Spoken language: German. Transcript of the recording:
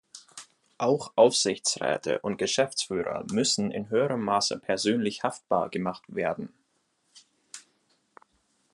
Auch Aufsichtsräte und Geschäftsführer müssen in höherem Maße persönlich haftbar gemacht werden.